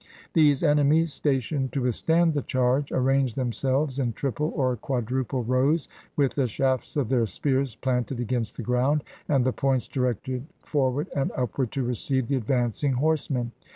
These enemies, stationed to withstand the charge, arrange themselves in triple or quadruple rows, with the shafts of their spears planted against the ground, and the points directed forward and upward to receive the advancing horsemen.